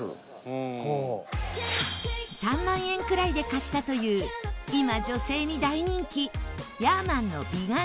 ３万円くらいで買ったという今女性に大人気ヤーマンの美顔器。